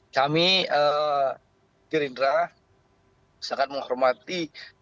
kami gerindra sangat menghormati